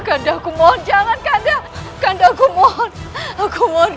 kanda aku mohon jangan hukum mereka aku mohon